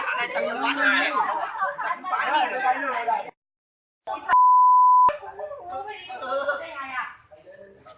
กลับมาเช็ดตาของมอง